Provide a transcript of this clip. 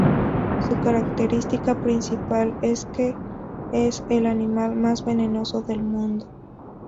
Su característica principal es que es el animal más venenoso del mundo.